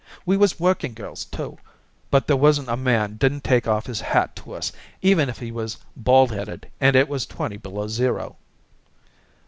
We was working girls, too, but there wasn't a man didn't take off his hat to us, even if he was bald headed and it was twenty below zero."